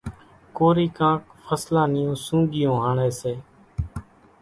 ڪورِي ڪانڪ ڦصلان نِيون سونڳِيون هاڻيَ سي۔